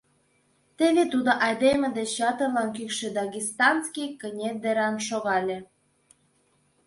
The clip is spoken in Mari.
Теве тудо айдеме деч ятырлан кӱкшӧ дагестанский кыне деран шогале.